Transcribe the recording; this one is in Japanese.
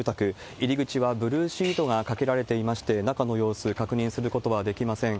入り口はブルーシートがかけられていまして、中の様子、確認することはできません。